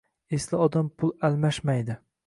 Esli odam pul almashmaydi.